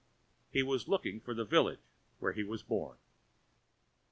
He was looking for the village where he was born.